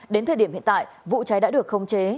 đến thời điểm hiện tại vụ cháy đã được khống chế